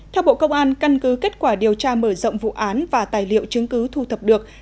theo bộ công an căn cứ kết quả điều tra mở rộng vụ án và tài liệu chứng cứ thu thập được